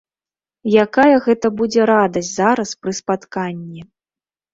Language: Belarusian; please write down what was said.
Якая гэта будзе радасць зараз пры спатканні!